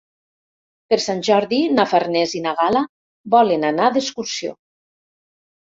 Per Sant Jordi na Farners i na Gal·la volen anar d'excursió.